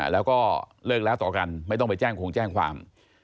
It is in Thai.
แล้วก็เลิกแล้วต่อกันไม่ต้องไปแจ้งคงแจ้งความ